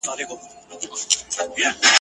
سبا اختر دی خو د چا اختر دی ..